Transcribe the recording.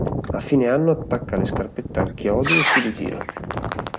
A fine anno attacca le scarpette al chiodo e si ritira.